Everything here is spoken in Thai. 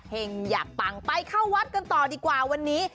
อยากปังไปเข้าวัดกันต่อดีกว่าวันนี้